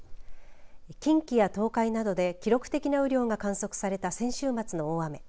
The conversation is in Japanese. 近畿や東海などで記録的な雨量が観測された先週末の大雨。